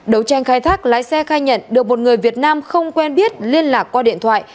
đấu tranh khai thác lái xe khai nhận được một người việt nam không quen biết liên lạc qua điện thoại